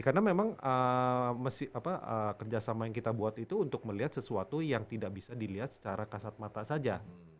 karena memang kerjasama yang kita buat itu untuk melihat sesuatu yang tidak bisa dilihat secara kasat mata saja